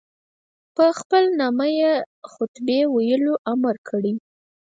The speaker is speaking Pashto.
په خپل نامه یې خطبې ویلو امر کړی.